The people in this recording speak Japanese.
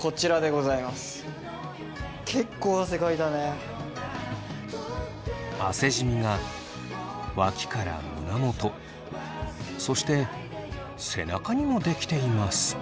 結構汗じみが脇から胸元そして背中にもできています。